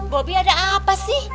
bobi ada apa sih